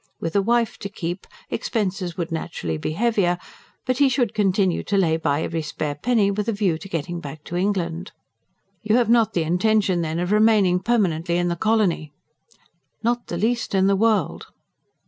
With a wife to keep, expenses would naturally be heavier; but he should continue to lay by every spare penny, with a view to getting back to England. "You have not the intention, then, of remaining permanently in the colony?" "Not the least in the world."